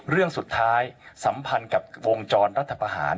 เรื่องสุดท้ายสัมพันธ์กับวงจรรัฐประหาร